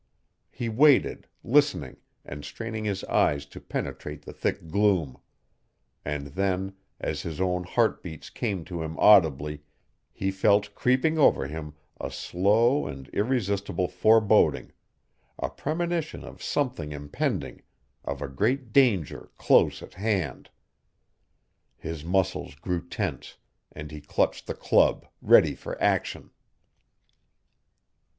He waited, listening, and straining his eyes to penetrate the thick gloom; and then, as his own heart beats came to him audibly, he felt creeping over him a slow and irresistible foreboding a premonition of something impending, of a great danger close at hand. His muscles grew tense, and he clutched the club, ready for action.